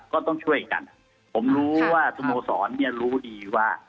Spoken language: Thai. ก็ต้องช่วยกันผมรู้ว่าสโมสรเนี่ยรู้ดีว่า